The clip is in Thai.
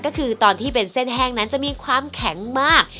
ก็คือตอนที่เป็นเส้นแห้งนั้นจะมีความแข็งมาก